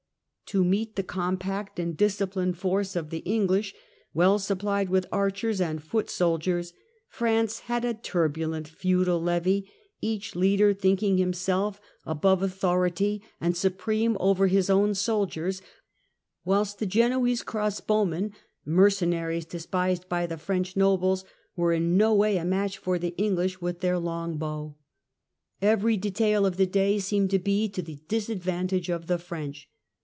To meet the compact and disciplined force of the English, well sup phed with archers and foot soldiers, France had a turbu lent feudal levy, each leader thinking himself above FRENCH HISTORY, 1328 1380 137 authority and supreme over his own soldiers; whilst the Genoese cross bowmen, mercenaries despised by the French nobles, were in no way a match for the English with their long bow. Every detail of the day seemed to be to the disadvantage of the French.